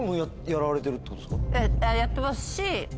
ええやってますし。